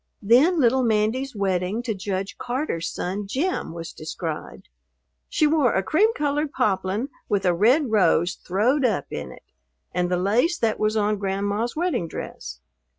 Then little Mandy's wedding to Judge Carter's son Jim was described. She wore a "cream colored poplin with a red rose throwed up in it," and the lace that was on Grandma's wedding dress.